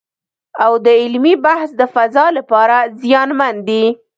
او د علمي بحث د فضا لپاره زیانمن دی